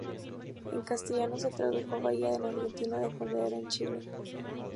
En castellano se tradujo a bahía en Argentina y fondeadero en Chile.